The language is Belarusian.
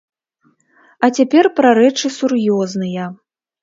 А цяпер пра рэчы сур'ёзныя.